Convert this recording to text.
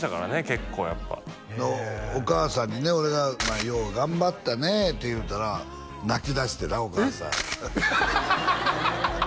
結構やっぱお母さんにね俺が「よう頑張ったね」って言うたら泣きだしてなお母さんえっ？